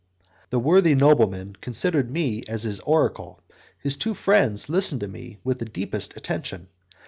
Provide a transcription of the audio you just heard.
The worthy nobleman considered me as his oracle, and his two friends listened to me with the deepest attention.